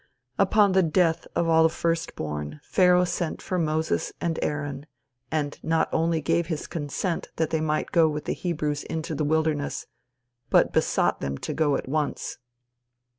Upon the death of all the first born Pharaoh sent for Moses and Aaron, and not only gave his consent that they might go with the Hebrews into the wilderness, but besought them to go at once.